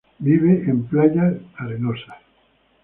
Vive en playas arenosas ligeramente arenosas.